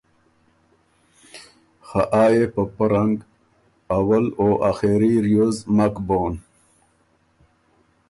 خه آ يې په پۀ رنګ اول او اخېري ریوز مک بون،